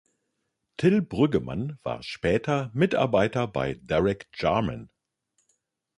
Till Brüggemann war später Mitarbeiter bei Derek Jarman.